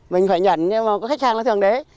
mình phải nhận nhưng mà khách hàng nó thường đế